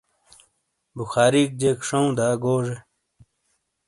بخاریک جیک شاؤں داگوجے۔